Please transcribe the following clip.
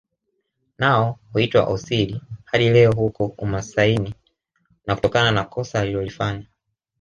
Nao huitwa Osiri hadi leo huko umasaini na kutokana na kosa alilolifanya